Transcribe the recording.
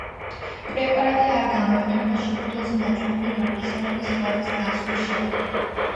პრეპარატი არ გამოიყენება შეფუთვაზე ნაჩვენები ვარგისიანობის ვადის გასვლის შემდეგ.